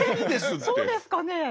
えそうですかね？